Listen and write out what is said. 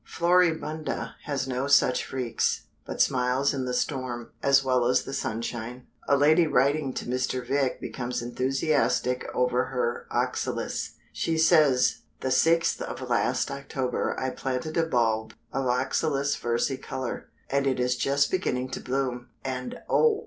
Floribunda has no such freaks, but smiles in the storm, as well as the sunshine. A lady writing to Mr. Vick becomes enthusiastic over her Oxalis. She says: "The sixth of last October I planted a bulb of Oxalis versicolor, and it is just beginning to bloom. And oh!